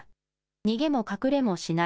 逃げも隠れもしない。